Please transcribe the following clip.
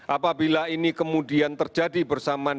apabila ini kemudian terjadi bersamaan